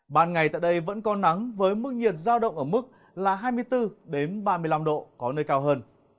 ban ngày tại đây vẫn có nắng với mức nhiệt giao động ở mức là hai mươi bốn ba mươi năm độ có nơi cao hơn